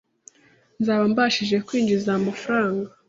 nzaba mbashije kwinjiza aya mafaranga,